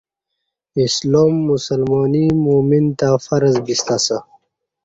اسلام مسلمانی مؤمن تہ فرض بیستہ اسہ